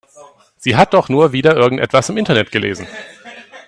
Sie hat doch nur wieder irgendwas im Internet gelesen.